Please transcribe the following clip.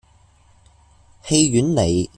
戲院里